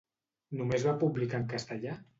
Només va publicar en castellà?